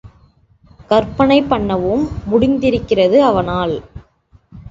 கற்பனை பண்ணவும் முடிந்திருக்கிறது அவனால்.